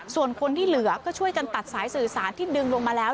ส่วนคนที่เหลือก็ช่วยกันตัดสายสื่อสารที่ดึงลงมาแล้ว